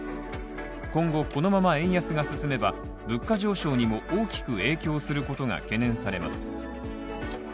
今後このまま円安が進めば、物価上昇にも大きく影響することが懸念されます。